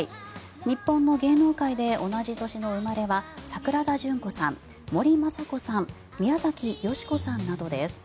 日本の芸能界で同じ年の生まれは桜田淳子さん、森昌子さん宮崎美子さんなどです。